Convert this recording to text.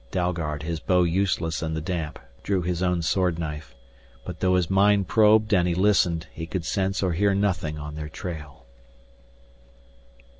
Dalgard, his bow useless in the damp, drew his own sword knife. But, though his mind probed and he listened, he could sense or hear nothing on their trail.